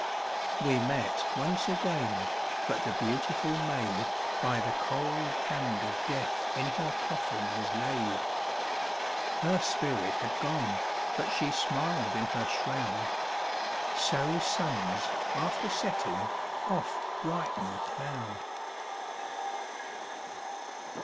We met once again, but the beautiful maid By the cold hand of death in her coffin was laid. Her spirit had gone, but she smiled in her shroud, — So suns after setting oft brighten a cloud.